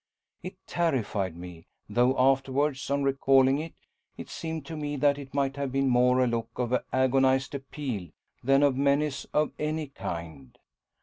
It terrified me, though afterwards on recalling it, it seemed to me that it might have been more a look of agonised appeal than of menace of any kind.